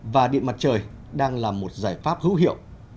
và điện mặt trời đang là một giải pháp hữu hiệu